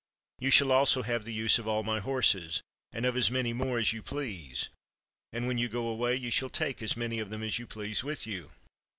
You shall also have the use of all my horses, and of as many more as you please; and, when you go away, you shall take as many of them as you please with you.